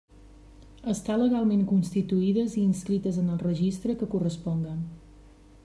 Estar legalment constituïdes i inscrites en el registre que corresponga.